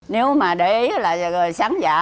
nếu mà để ý là sáng giả